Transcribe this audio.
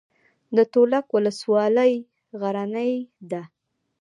د تولک ولسوالۍ غرنۍ ده